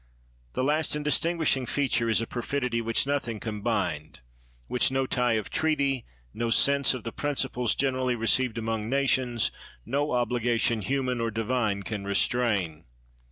The last and distinguishing feature is a per fidy which nothing can bind, which no tie of treaty, no sense of the principles generally re ceive"d among nations, no obligation, human or divine, can restrain.